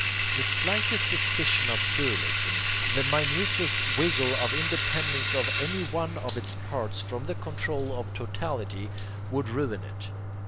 The slightest suspicion of pluralism, the minutest wiggle of independence of any one of its parts from the control of the totality, would ruin it.